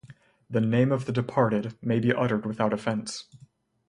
The name of the departed may be uttered without offense.